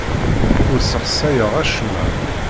Ur ssexsayeɣ acemma.